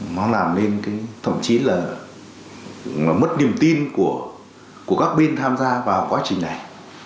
nó làm nên thậm chí là mất niềm tin của các bên tham gia vào quá trình này